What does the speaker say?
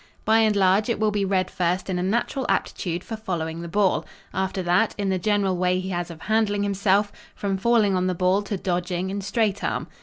By and large, it will be read first in a natural aptitude for following the ball. After that, in the general way he has of handling himself, from falling on the ball to dodging and straight arm.